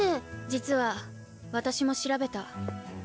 実は私も調べた。